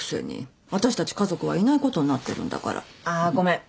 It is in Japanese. あごめん。